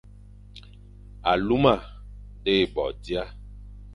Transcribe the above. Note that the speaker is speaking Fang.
Aluma dé bo dia,